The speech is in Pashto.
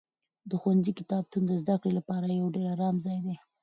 د ښوونځي کتابتون د زده کړې لپاره یو ډېر ارام ځای دی.